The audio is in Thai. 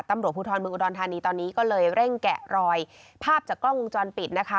ต้ำลมุทรภูทธรมุทธรรณฑ์ทันนี้ตอนนี้ก็เลยเบิ้ลเร่งแกะรอยพาปจากกล้องวงจรปิดนะคะ